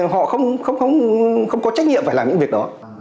họ không có trách nhiệm phải làm những việc đó